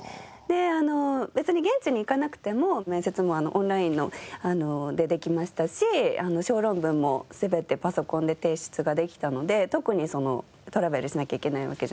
別に現地に行かなくても面接もオンラインでできましたし小論文も全てパソコンで提出ができたので特にトラベルしなきゃいけないわけじゃないし。